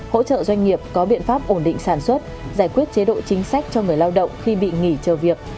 hỗ trợ doanh nghiệp có biện pháp ổn định sản xuất giải quyết chế độ chính sách cho người lao động khi bị nghỉ chờ việc